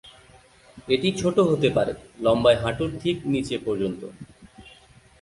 এটি ছোট হতে পারে, লম্বায় হাঁটুর ঠিক নীচে পর্যন্ত।